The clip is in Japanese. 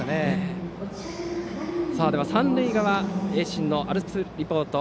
三塁側、盈進のアルプスリポート。